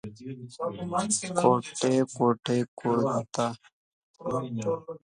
کوټ کوټ کوت…